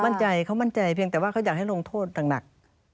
มั่นใจเขามั่นใจเพียงแต่ว่าเขาอยากให้ลงโทษหนัก